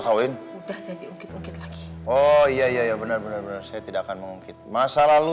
kawin udah jadi ungkit ungkit lagi oh iya iya benar benar saya tidak akan mengungkit masa lalu